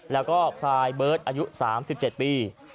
แล้วก็พลายเบิร์ตอายุ๓๗ปี